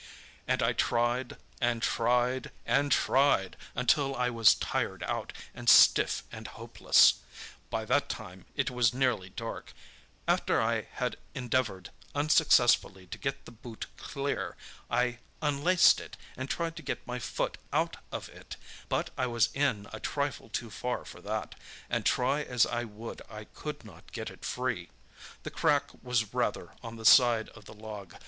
"And I tried—and tried—and tried—until I was tired out, and stiff and hopeless. By that time it was nearly dark. After I had endeavoured unsuccessfully to get the boot clear, I unlaced it, and tried to get my foot out of it—but I was in a trifle too far for that, and try as I would I could not get it free. The crack was rather on the side of the log.